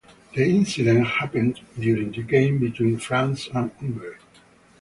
The incident happened during the game between France and Hungary.